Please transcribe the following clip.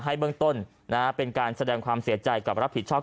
เบื้องต้นเป็นการแสดงความเสียใจกับรับผิดชอบ